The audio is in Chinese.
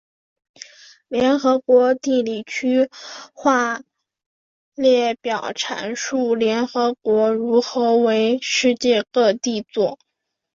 联合国地理区划列表阐述联合国如何为世界各地作。